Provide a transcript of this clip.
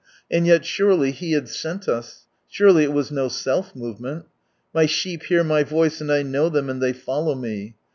And yet, surely He had sent us, surely it was no self movemenl. " My sheep hear My voice, and I know them, and they follow Me."